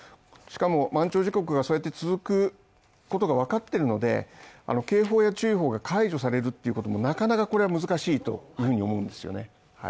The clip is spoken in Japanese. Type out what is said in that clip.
しかも、満潮時刻がそうやって続くことがわかっているので、警報や注意報が解除されるっていうこともなかなかこれは難しいというふうに思うんですよね。